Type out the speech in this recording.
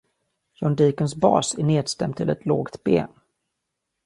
John Deacons bas är nedstämd till ett lågt B.